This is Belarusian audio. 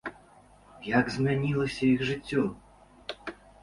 Як змянілася іх жыццё?